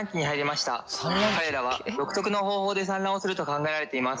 彼らは独特の方法で産卵をすると考えられています。